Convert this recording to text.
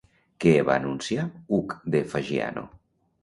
Què va anunciar Hug de Fagiano?